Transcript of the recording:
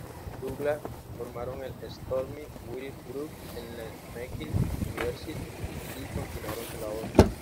Douglas formaron el "Stormy Weather Group" en la McGill University, y continuaron su labor.